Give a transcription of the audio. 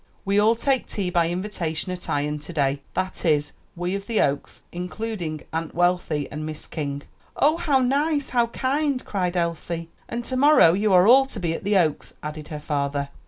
We all take tea by invitation at Ion to day; that is, we of the Oaks, including Aunt Wealthy and Miss King." "Oh, how nice! how kind!" cried Elsie. "And to morrow you are all to be at the Oaks!" added her father.